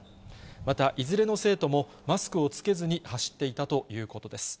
また、いずれの生徒もマスクを着けずに走っていたということです。